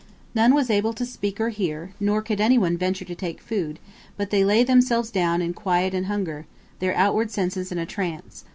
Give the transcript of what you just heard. None was able to speak or to hear, nor could anyone venture to take food, but they lay themselves down in quiet and hunger, their outward senses in a trance.